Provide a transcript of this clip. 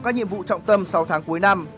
các nhiệm vụ trọng tâm sau tháng cuối năm